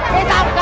kita gantung dia